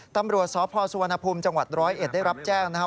ตำรวจสพสุวรรณภูมิจังหวัดร้อยเอ็ดได้รับแจ้งนะครับ